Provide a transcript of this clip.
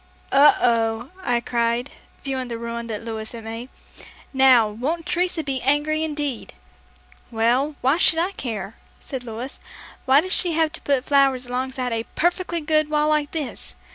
"Oh, oh," I cried, viewing the ruin that Louis had made. "Now, won't Teresa be angry indeed!" "Well, why should I care?" said Louis. "Why did she have to put flowers alongside of a perfectly good wall like this?